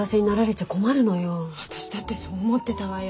私だってそう思ってたわよ。